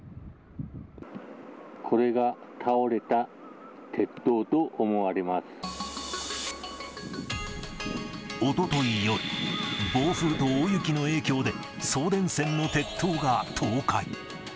これが倒れた鉄塔と思われまおととい夜、暴風と大雪の影響で送電線の鉄塔が倒壊。